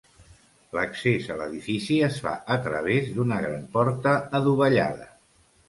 L'accés a l'edifici es fa a través d'una gran porta adovellada.